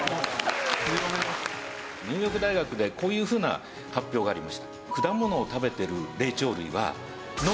ニューヨーク大学でこういうふうな発表がありました。